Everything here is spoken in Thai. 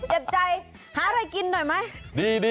เจ็บใจหาอะไรกินหน่อยไหม